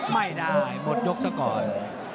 ไม่ได้หมดยกสกอร์ด